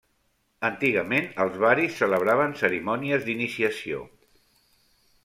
Antigament els baris celebraven cerimònies d'iniciació.